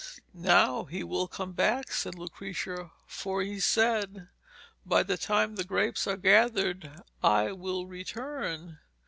'Now he will come back,' said Lucrezia, 'for he said "by the time the grapes are gathered I will return."'